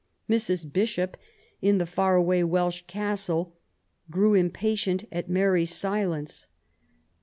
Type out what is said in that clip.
Mrs. Bishop, in the far away Welsh castle, grew impatient at Mary's silence.